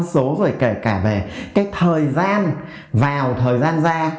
số rồi kể cả về cái thời gian vào thời gian ra